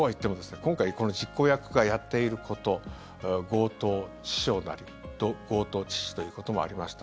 今回この実行役がやっていること強盗致傷なり強盗致死ということもありました。